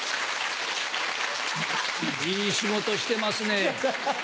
いい仕事してますね。